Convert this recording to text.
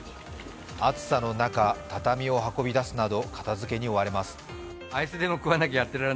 暑さの中、畳を運び出すなど片づけに追われます。